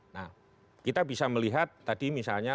nah kita bisa melihat tadi misalnya